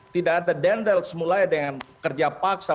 tidak ada dendel semulanya dengan kerja paksa